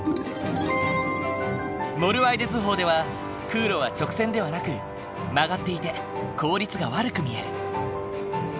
モルワイデ図法では空路は直線ではなく曲がっていて効率が悪く見える。